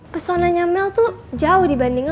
pesonanya mel tuh jauh dibanding